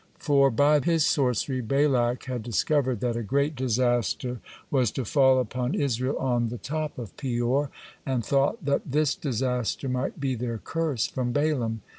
For by his sorcery Balak had discovered that a great disaster was to fall upon Israel on the top of Peor, and thought that this disaster might be their curse from Balaam.